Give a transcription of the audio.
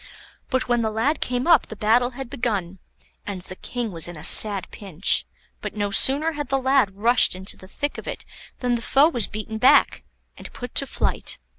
But when the lad came up the battle had begun, and the King was in a sad pinch; but no sooner had the lad rushed into the thick of it than the foe was beaten back, and put to flight.